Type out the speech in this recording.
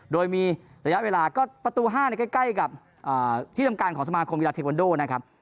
โดยมีระยะเวลาก็ประตู๕ใกล้กับที่ทำการของสมาคมกีฬาเทวันโดนะครับ